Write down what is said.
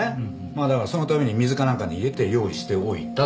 だからそのために水かなんかに入れて用意しておいたと。